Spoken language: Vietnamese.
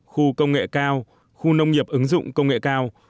khu công nghệ cao khu nông nghiệp ứng dụng công nghệ cao